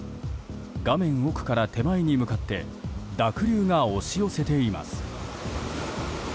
画面奥から手前に向かって濁流が押し寄せています。